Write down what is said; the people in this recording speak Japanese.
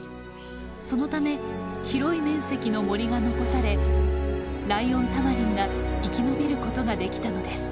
そのため広い面積の森が残されライオンタマリンが生き延びることができたのです。